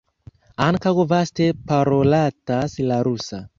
Ankaŭ vaste parolatas la rusa.